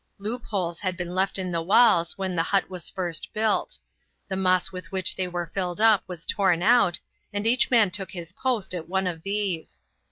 Loop holes had been left in the walls when the hut was first built; the moss with which they were filled up was torn out, and each man took his post at one of these.